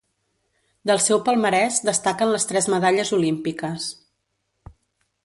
Del seu palmarès destaquen les tres medalles olímpiques.